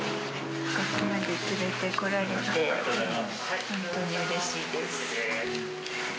ここまで連れてこられて、本当にうれしいです。